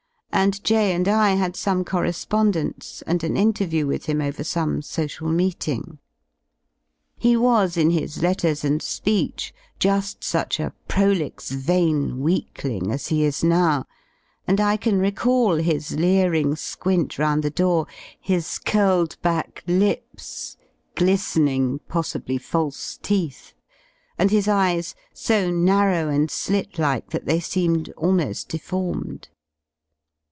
and J and I had some corre spondence and an interview with him over some social meeting. He was in his letters and speech ju^ such a prolix vain weakling as he is now, and I can recall his leering squint round the door, his curled back lips, gli^en ing possibly false teeth, and his eyes so narrow and slit like 29 that they seemed almo^ deformed.